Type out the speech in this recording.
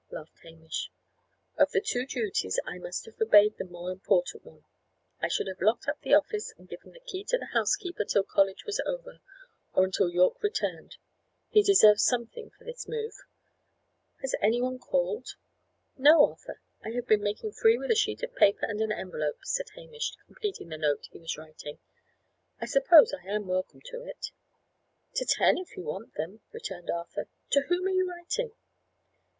laughed Hamish. "Of the two duties I must have obeyed the more important one. I should have locked up the office and given the key to the housekeeper till college was over, or until Yorke returned. He deserves something for this move. Has any one called?" "No. Arthur, I have been making free with a sheet of paper and an envelope," said Hamish, completing the note he was writing. "I suppose I am welcome to it?" "To ten, if you want them," returned Arthur. "To whom are you writing?"